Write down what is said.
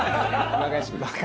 裏返してください。